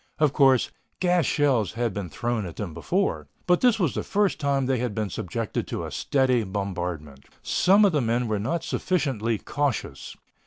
Of course, gas shells had been thrown at them before, but this was the first time they had been subjected to a steady bombardment. Some of the men were not sufficiently cautious.